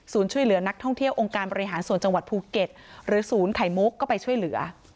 ช่วยเหลือนักท่องเที่ยวองค์การบริหารส่วนจังหวัดภูเก็ตหรือศูนย์ไข่มุกก็ไปช่วยเหลือ